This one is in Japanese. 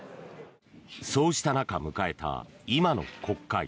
そうした中、迎えた今の国会。